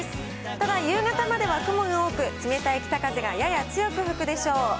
ただ夕方までは雲が多く、冷たい北風がやや強く吹くでしょう。